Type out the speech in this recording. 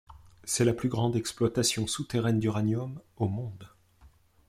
C'est la plus grande exploitation souterraine d'uranium au monde.